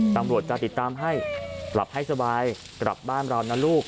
ตำรวจจะติดตามให้หลับให้สบายกลับบ้านเรานะลูก